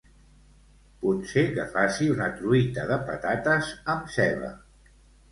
Potser que faci una truita de patates amb ceba